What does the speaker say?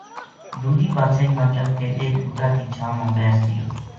دوجی بادشاہی ما چل کے ایک بوٹا کی چھاں ما بیس رہیو